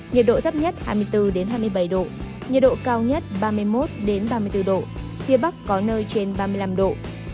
nhiệt độ thấp nhất hai mươi bốn hai mươi bảy độ nhiệt độ cao nhất ba mươi một ba mươi bốn độ phía bắc có nơi trên ba mươi năm độ